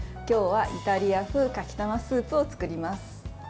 今日はイタリア風かきたまスープを作ります。